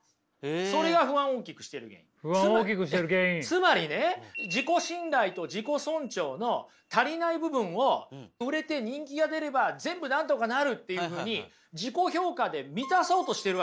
つまりね自己信頼と自己尊重の足りない部分を売れて人気が出れば全部なんとかなるというふうに自己評価で満たそうとしてるわけですよ